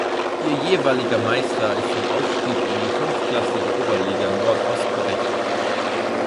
Ihr jeweiliger Meister ist zum Aufstieg in die fünftklassige Oberliga Nordost berechtigt.